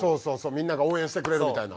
みんなが応援してくれるみたいな。